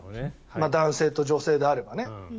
男性と女性であればね。